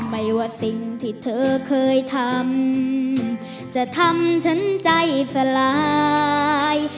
ไม่ว่าสิ่งที่เธอเคยทำจะทำฉันใจสลาย